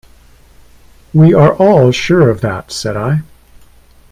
"We are all sure of that," said I.